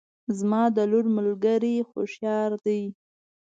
زما د لور ملګرې هوښیارې دي